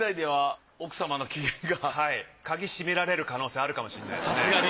鍵閉められる可能性あるかもしれないですね。